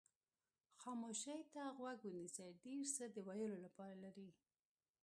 خاموشۍ ته غوږ ونیسئ ډېر څه د ویلو لپاره لري.